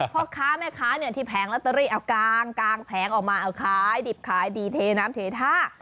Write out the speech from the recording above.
เพราะค้าแม่ค้าที่แพงลัตเตอรี่เอากางกางแพงออกมาเอาค้ายดิบค้ายดีเทน้ำเททา